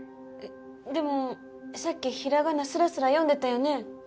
でもさっきひらがなスラスラ読んでたよね？